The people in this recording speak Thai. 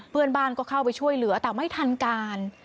เพื่อนบ้านก็เข้าไปช่วยเหลือแต่ไม่ทันการ